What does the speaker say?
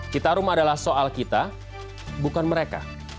citarum adalah soal kita bukan mereka